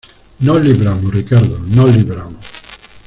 no libramos, Ricardo. ¡ no libramos!